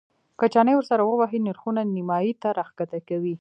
که چنې ورسره ووهې نرخونه نیمایي ته راښکته کوي.